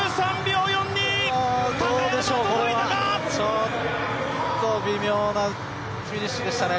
ちょっと微妙なフィニッシュでしたね。